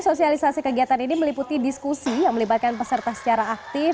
sosialisasi kegiatan ini meliputi diskusi yang melibatkan peserta secara aktif